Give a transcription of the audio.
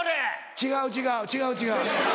違う違う違う違う。